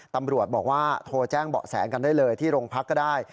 ตำรวจบอกว่าโทรแจ้งเบาะแสกันได้เลยที่โรงพักก็ได้